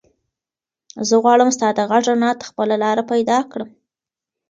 زه غواړم ستا د غږ رڼا ته خپله لاره پیدا کړم.